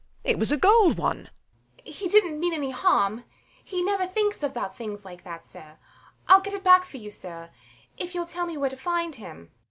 It was a gold one. THE MAID. He didnt mean any harm: he never thinks about things like that, sir. I'll get it back for you, sir, if youll tell me where to find him.